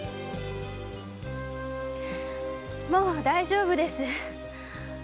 もう大丈夫です。